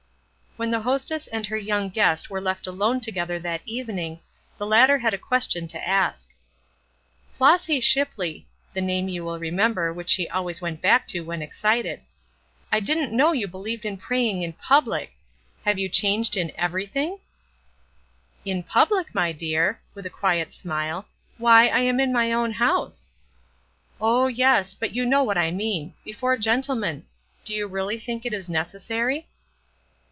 When the hostess and her young guest were left alone together that evening, the latter had a question to ask: "Flossy Shipley!" the name you will remember which she always went back to when excited "I didn't know you believed in praying in public! Have you changed in everything?" "In public, my dear!" with a quiet smile; "why, I am in my own house!" "Oh, yes; but you know what I mean before gentlemen. Do you really think it is necessary?"